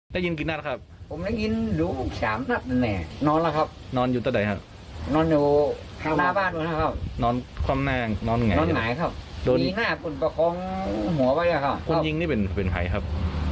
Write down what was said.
เสียงปืนแล้วได้ยินเสียงฟุ้นเนี่ยครับ